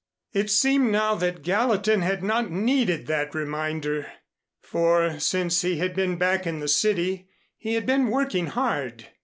It seemed now that Gallatin had not needed that reminder, for since he had been back in the city he had been working hard.